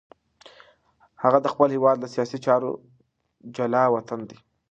هغه د خپل هېواد له سیاسي چارو جلاوطن دی.